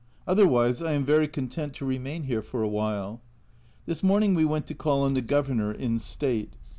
Otherwise I am very content to remain here for a while. This morning we went to call on the Governor in state.